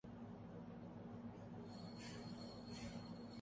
Honda گاڑیوں کی قیمتوں میں ماہ میں تیسری بار اضافہ